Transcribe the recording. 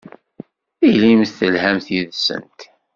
Ilimt telhamt yid-sent.